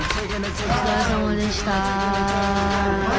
お疲れさまでした。